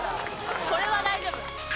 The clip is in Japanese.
これは大丈夫。